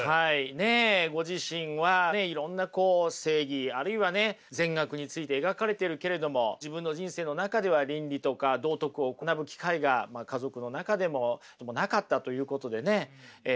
ねえご自身はいろんなこう正義あるいはね善悪について描かれているけれども自分の人生の中では倫理とか道徳を学ぶ機会が家族の中でもなかったということでね悩まれてる。